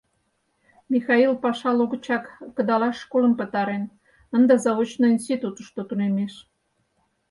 — Михаил паша лугычак кыдалаш школым пытарен, ынде заочно институтышто тунемеш.